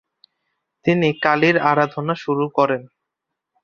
তিনি কালীর আরাধনা শুরু করেন।